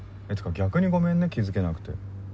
逆にごめんね気付けなくて。